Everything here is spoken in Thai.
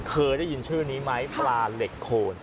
เคยได้ยินชื่อนี้ไหมปลาเหล็กโคน